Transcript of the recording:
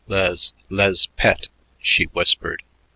"Le's le's pet," she whispered.